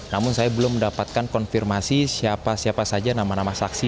namun saya belum mendapatkan konfirmasi siapa siapa saja nama nama saksi